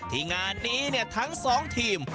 ที่งานนี้เนี่ยทั้งสองทีม